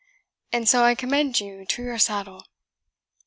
And so I commend you to your saddle."